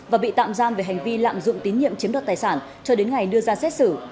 và bị tạm giam về hành vi lạm dụng tín nhiệm chiếm đoạt tài sản cho đến ngày đưa ra xét xử